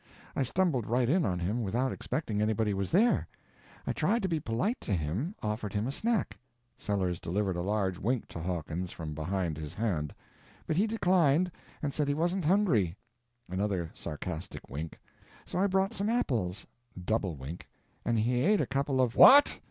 I stumbled right in on him without expecting anybody was there. I tried to be polite to him; offered him a snack"—(Sellers delivered a large wink to Hawkins from behind his hand), "but he declined, and said he wasn't hungry" (another sarcastic wink); "so I brought some apples" (doublewink), "and he ate a couple of—" "What!"